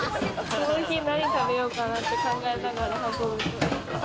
その日何食べようかなって考えながら運ぶ。